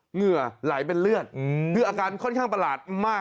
เหงื่อไหลเป็นเลือดคืออาการค่อนข้างประหลาดมาก